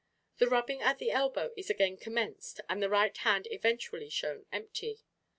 The rubbing at the elbow is again commenced and the right hand eventually shown empty.